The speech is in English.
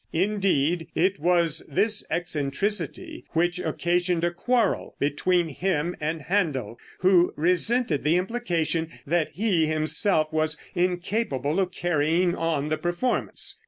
Indeed, it was this eccentricity which occasioned a quarrel between him and Händel, who resented the implication that he himself was incapable of carrying on the performance.